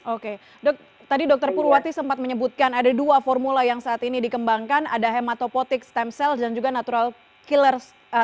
oke dok tadi dr purwati sempat menyebutkan ada dua formula yang saat ini dikembangkan ada hematopotic stem cell dan juga natural killer